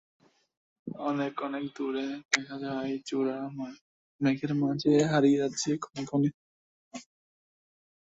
অনেক অনেক দূরে দেখা যায় চূড়া, মেঘের মাঝে হারিয়ে যাচ্ছে ক্ষণে ক্ষণে।